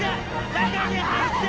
中に入って！